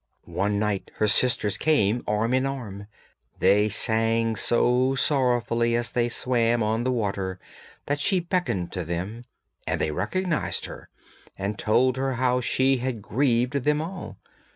One night her sisters came arm in arm; they sang so sorrowfully as they swam on the water that she beckoned to them, and they recognised her, and told her how she had grieved them all.